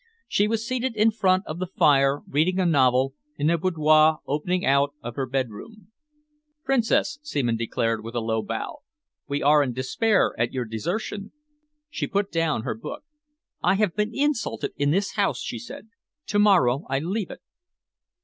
She was seated in front of the fire, reading a novel, in a boudoir opening out of her bedroom. "Princess," Seaman declared, with a low bow, "we are in despair at your desertion." She put down her book. "I have been insulted in this house," she said. "To morrow I leave it."